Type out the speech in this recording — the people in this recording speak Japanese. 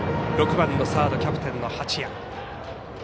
６番サードキャプテンの八谷。